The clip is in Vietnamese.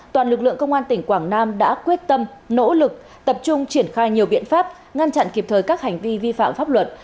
toàn lực lượng công an tỉnh quảng nam đã quyết tâm nỗ lực tập trung triển khai nhiều biện pháp ngăn chặn kịp thời các hành vi vi phạm pháp luật